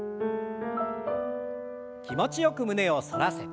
気持ちよく胸を反らせて。